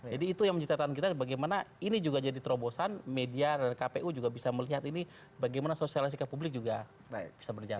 jadi itu yang menceritakan kita bagaimana ini juga jadi terobosan media dan kpu juga bisa melihat ini bagaimana sosialisasi ke publik juga bisa berjalan